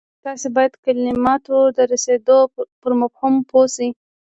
تاسې بايد د کلماتو د رسېدو پر مفهوم پوه شئ.